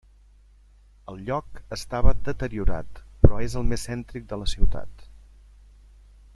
El lloc estava deteriorat, però és el més cèntric de la ciutat.